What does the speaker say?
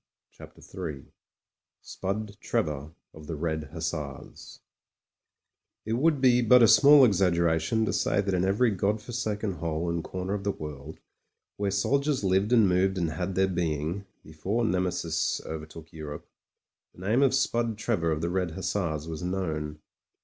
CHAPTER III SPUD TREVOR OF THE RED HUSSARS IT would be but a small exaggeration to say that in every God forsaken hole and comer of the world, where soldiers lived and moved and had their being, before Nemesis overtook Europe, the name of Spud Trevor of the Red Hussars was known.